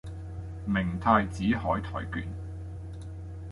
明太子海苔捲